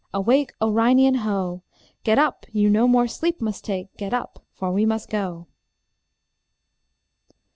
Awake, O Reinian, ho! Get up, you no more sleep must take; Get up, for we must go.